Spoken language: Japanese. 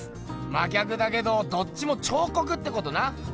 真逆だけどどっちも彫刻ってことな！